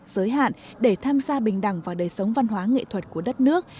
giới hạn để tham gia bình đẳng vào đời sống văn hóa nghệ thuật của đất nước